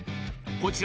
こちら